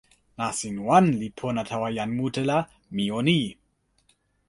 nasin wan li pona tawa jan mute la mi o ni.